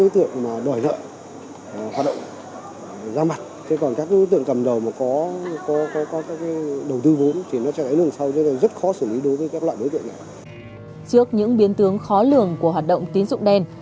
trước những biến tướng khó lường của hoạt động tín dụng đen